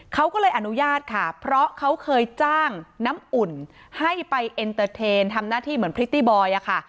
เขาก็เลยอนุญาตค่ะเพราะเขาเคยจ้างน้ำอุ่นให้ไปเอ็นเตอร์เทนทำหน้าที่เหมือนพริตตี้บอยอะค่ะ